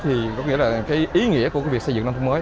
thì có nghĩa là cái ý nghĩa của việc xây dựng nông thôn mới